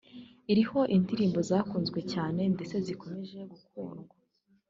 iriho indirimbo zakunzwe cyane ndetse zikomeje gukundwa